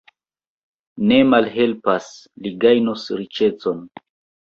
Ne malhelpas! li gajnos riĉecon.